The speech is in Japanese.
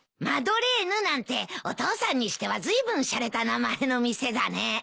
マドレーヌなんてお父さんにしてはずいぶんしゃれた名前の店だね。